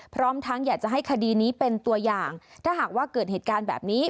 พร้อมทั้งอยากจะให้คดีนี้เป็นตัวอย่างถ้าหากว่าเกิดเหตุการณ์แบบนี้